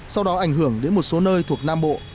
sau đó ảnh hưởng đến một số nơi thuộc nam bộ